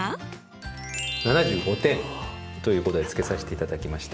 ７５点ということでつけさせていただきました。